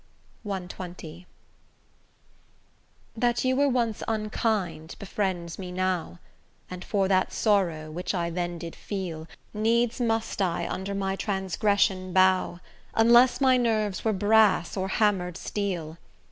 CXX That you were once unkind befriends me now, And for that sorrow, which I then did feel, Needs must I under my transgression bow, Unless my nerves were brass or hammer'd steel.